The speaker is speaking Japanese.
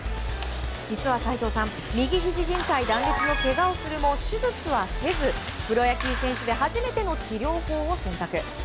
実は斎藤さん、右ひじ靱帯断裂のけがをするも手術はせず、プロ野球選手で初めての治療法を選択。